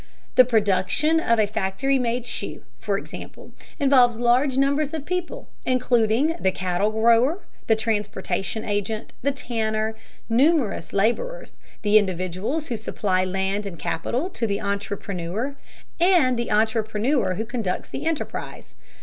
The production of a factory made shoe, for example, involves large numbers of people, including the cattle grower, the transportation agent, the tanner, numerous laborers, the individuals who supply land and capital to the entrepreneur, and the entrepreneur who conducts the enterprise.